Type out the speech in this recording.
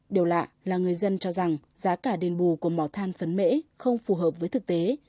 điều lạ là người dân cho rằng giá cả đền bù của mỏ than phấn mễ không phù hợp với thực tế